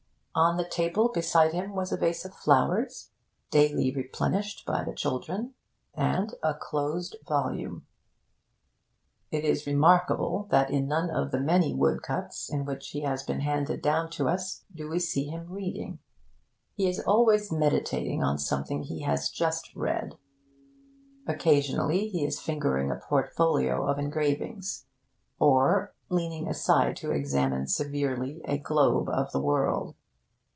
On the table beside him was a vase of flowers, daily replenished by the children, and a closed volume. It is remarkable that in none of the many woodcuts in which he has been handed down to us do we see him reading; he is always meditating on something he has just read. Occasionally, he is fingering a portfolio of engravings, or leaning aside to examine severely a globe of the world.